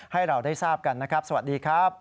ให้เราได้ทราบกันนะครับสวัสดีครับ